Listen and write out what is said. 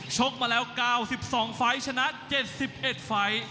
ชกมาแล้ว๙๒ไฟล์ชนะ๗๑ไฟล์